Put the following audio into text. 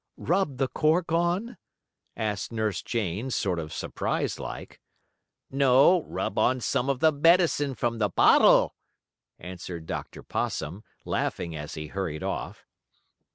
"Rub the cork on?" asked Nurse Jane, sort of surprised like. "No, rub on some of the medicine from the bottle," answered Dr. Possum, laughing as he hurried off.